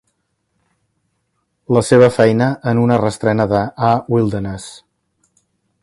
La seva feina en una reestrena d"Ah, Wilderness!